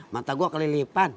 mata gua kelilipan